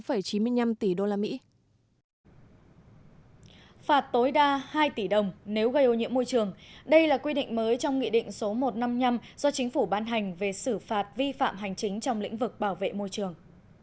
phạt tối đa hai tỷ đồng nếu gây ô nhiễm môi trường đây là quy định mới trong nghị định số một trăm năm mươi năm do chính phủ ban hành về xử phạt vi phạm hành chính trong lĩnh vực bảo vệ môi trường